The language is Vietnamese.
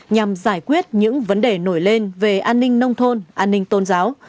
nhằm giải quyết những vấn đề nổi lên về an ninh nông thôn an ninh tôn giáo